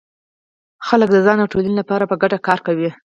خلک د ځان او ټولنې لپاره په ګډه کار کوي.